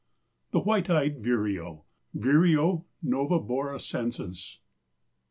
THE WHITE EYED VIREO. (_Vireo noveboracensis.